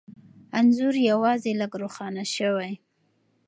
انځور یوازې لږ روښانه شوی،